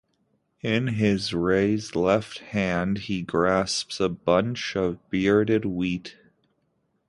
In his raised left hand he grasps a bunch of bearded wheat.